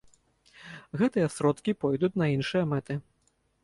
Гэтыя сродкі пойдуць на іншыя мэты.